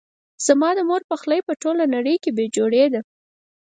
زما د مور پخلی په ټوله نړۍ کې بي جوړي ده